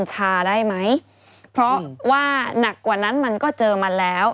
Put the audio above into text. หนักกว่านั้นมันก็เจอมาแล้ว